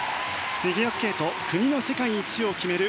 フィギュアスケート国の世界一を決める